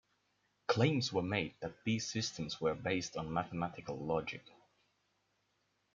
Claims were made that these systems were based on mathematical logic.